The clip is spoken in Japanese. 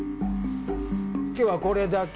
今日はこれだけ？